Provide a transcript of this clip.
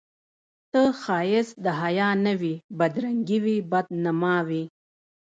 ته ښایست د حیا نه وې بدرنګي وې بد نما وې